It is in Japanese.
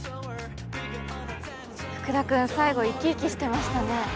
福田君最後生き生きしてましたね。